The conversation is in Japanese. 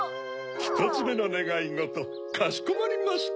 １つめのねがいごとかしこまりました。